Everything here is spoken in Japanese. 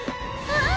ああ！